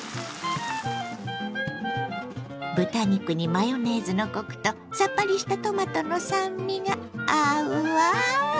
豚肉にマヨネーズのコクとさっぱりしたトマトの酸味が合うわ。